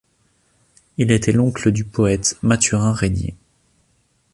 Il était l'oncle du poète Mathurin Régnier.